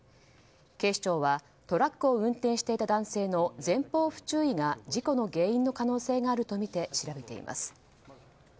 警視庁はトラックを運転していた男性の前方不注意が事故の原因の可能性があるとみて調べています。